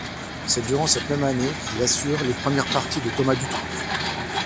C'est durant cette même année qu'il assure les premières parties de Thomas Dutronc.